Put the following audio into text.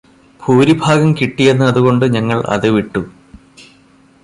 ഭൂരിഭാഗം കിട്ടിയെന്ന് അതുകൊണ്ട് ഞങ്ങള് അത് വിട്ടു